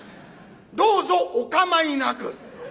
「どうぞお構いなく」。